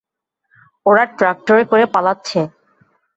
ওরা ট্রাক্টরে করে পালাচ্ছে।